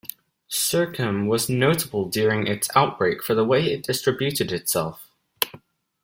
Sircam was notable during its outbreak for the way it distributed itself.